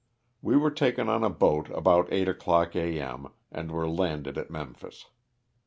We were taken on a boat about eight o'clock A. M. and were landed at Memphis.